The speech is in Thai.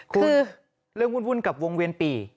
คุณเรื่องวุ่นกับวงเวียนปี่